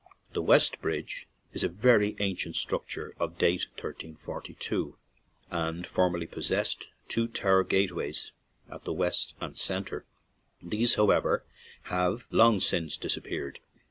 The West Bridge is a very ancient structure of the date of 1342, and formerly possessed two tower gateways at the west and centre; these, however, have long since disap peared.